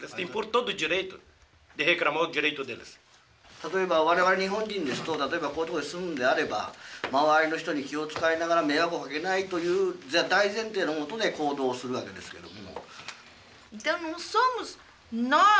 例えば我々日本人ですと例えばこういう所に住むんであれば周りの人に気を遣いながら迷惑をかけないという大前提のもとで行動するわけですけども。